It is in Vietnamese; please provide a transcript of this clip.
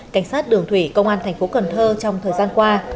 cảnh sát đường thủy công an tp cần thơ trong thời gian qua